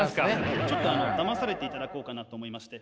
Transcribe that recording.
ちょっとだまされていただこうかなと思いまして。